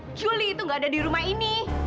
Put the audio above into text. om julie itu gak ada di rumah ini